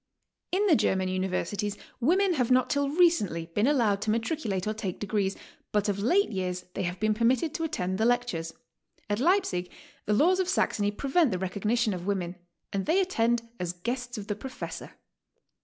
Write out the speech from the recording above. In the German universities women have not till recently been allowed to matriculate or take degrees, but of late years they have been permitted to attend the lectures. At Leipsic the laws of Saxony pre\^ent the recognition of women, and they attend as guests of the professor.